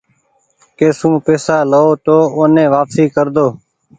ڪي سون پئيسا لئو تو اوني واپسي ڪرۮو۔